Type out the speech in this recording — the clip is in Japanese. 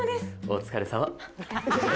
お疲れさま。